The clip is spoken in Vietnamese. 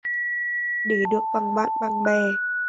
Để được bằng bạn bằng bè